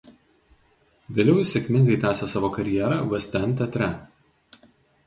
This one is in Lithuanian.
Vėliau jis sėkmingai tęsė savo karjerą West End teatre.